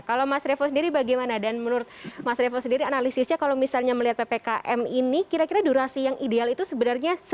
kalau mas revo sendiri bagaimana dan menurut mas revo sendiri analisisnya kalau misalnya melihat ppkm ini kira kira durasi yang ideal itu sebenarnya